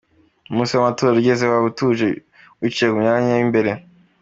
Umunsi w’amanota ugeze waba utuje wicaye mu myanya w’imbere ?